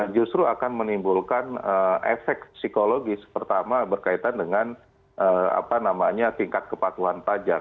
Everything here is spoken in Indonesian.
justru akan menimbulkan efek psikologis pertama berkaitan dengan tingkat kepatuhan pajak